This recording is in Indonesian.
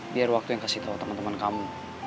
biar waktu yang kasih tahu teman teman kamu